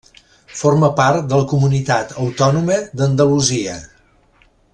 Forma part de la Comunitat Autònoma d'Andalusia.